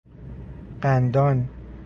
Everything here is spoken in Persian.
قندان